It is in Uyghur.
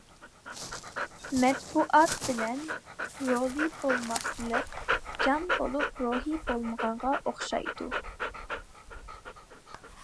مەتبۇئات بىلەن رولى بولماسلىق، جان بولۇپ روھى بولمىغانغا ئوخشايدۇ.